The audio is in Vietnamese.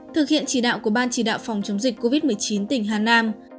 thực hiện chỉ đạo của ban chỉ đạo phòng chống dịch covid một mươi chín tỉnh hà nam